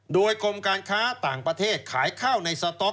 โดยกรมการค้าต่างประเทศขายข้าวในสต๊อก